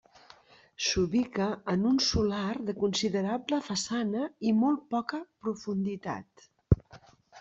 S'ubica en un solar de considerable façana i molt poca profunditat.